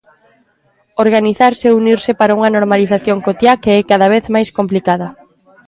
Organizarse e unirse para unha normalización cotiá que é cada vez máis complicada.